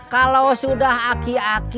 kalau sudah aki aki